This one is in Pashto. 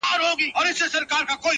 چي امیر خلک له ځانه وه شړلي؛